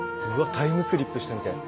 タイムスリップしたみたい。